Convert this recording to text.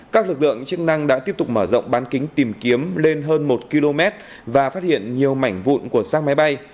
các lực lượng chức năng đã tiếp tục mở rộng bán kính tìm kiếm lên hơn một km và phát hiện nhiều mảnh vụn của sang máy bay